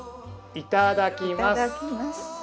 いただきます。